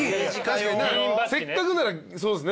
せっかくならそうですね